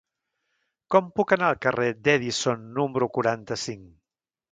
Com puc anar al carrer d'Edison número quaranta-cinc?